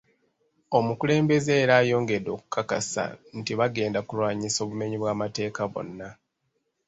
Omukulembeze era ayongedde okukakasa nti bagenda kulwanyisa obumenyi bw’amateeka bwonna.